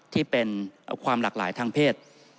ที่เป็นความหลากหลายทางเพศ